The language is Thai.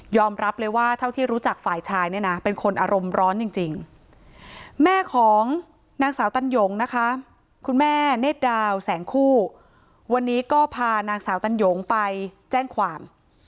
รับเลยว่าเท่าที่รู้จักฝ่ายชายเนี่ยนะเป็นคนอารมณ์ร้อนจริงแม่ของนางสาวตันหยงนะคะคุณแม่เนธดาวแสงคู่วันนี้ก็พานางสาวตันหยงไปแจ้งความ